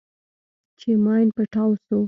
چې ماين پټاو سو.